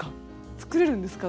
作れるんですか？